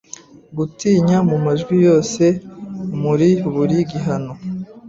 gutinya Mu majwi yose muri buri gihano